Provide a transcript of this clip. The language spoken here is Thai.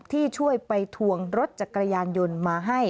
ที่ช่วยไปทวงรถจักรยานยนต์มาให้